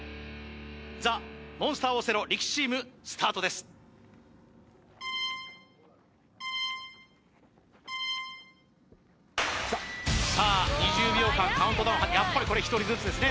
ザ・モンスターオセロ力士チームスタートですさあ２０秒間カウントダウンやっぱりこれ１人ずつですね